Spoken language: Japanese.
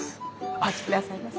お待ちくださいませ。